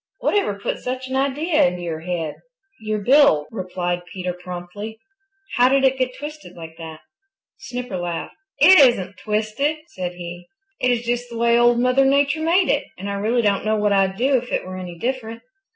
"Whatever put such an idea into your head?" "Your bill," replied Peter promptly. "How did it get twisted like that?" Snipper laughed. "It isn't twisted," said he. "It is just the way Old Mother Nature made it, and I really don't know what I'd do if it were any different."